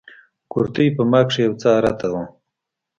کورتۍ په ما کښې يو څه ارته وه.